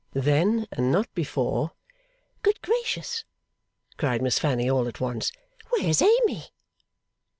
Then, and not before, 'Good Gracious!' cried Miss Fanny all at once, 'Where's Amy!